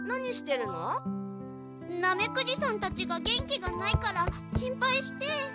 ナメクジさんたちが元気がないから心配して。